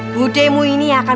budemu ini akan